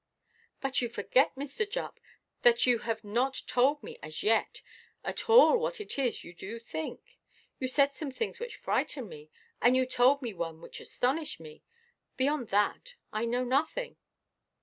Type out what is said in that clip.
"But you forget, Mr. Jupp, that you have not told me, as yet, at all what it is you do think. You said some things which frightened me, and you told me one which astonished me. Beyond that I know nothing."